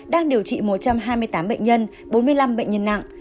đang điều trị một trăm hai mươi tám bệnh nhân bốn mươi năm bệnh nhân nặng